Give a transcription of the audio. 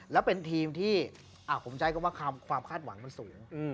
แล้วเป็นทีมที่ผมใช้กรณะความข้าดหวังก็สูง